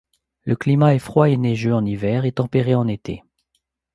Le climat est froid et neigeux en hiver et tempéré en été.